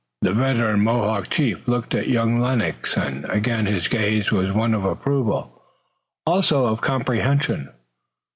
The veteran Mohawk chief looked at young Lennox, and again his gaze was one of approval, also of comprehension.